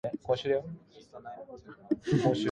名前をテョといいます。